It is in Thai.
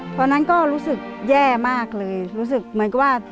ตอนนั้นก็รู้สึกแย่มากเลยรู้สึกเหมือนกับว่า